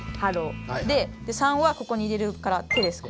で３はここに入れるから「て」です